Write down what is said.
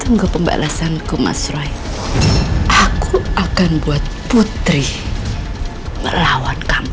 tunggu pembalasanku mas roy aku akan buat putri melawan kamu